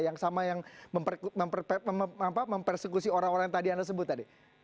yang sama yang mempersekusi orang orang yang tadi anda sebut tadi